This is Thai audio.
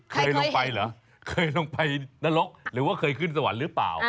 เคยลงไปเหรอเคยลงไปนรกหรือว่าเคยขึ้นสวรรค์หรือเปล่า